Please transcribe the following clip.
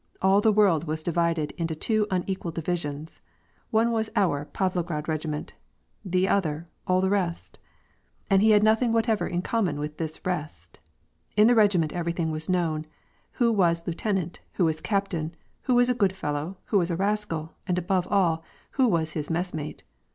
All the world was divided into two unequal divisions : one was " our " Pavlograd regiment, and the other — all the rest. And he had nothing whatever in common with this rest. In the regiment everything was known: who was lieutenant, who was captain, who was a good fellow, who was a rascal, and above all, who was his messmate.